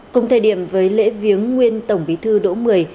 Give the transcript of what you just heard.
cùng thời điểm với lễ viếng nguyên tổng bí thư đỗ mười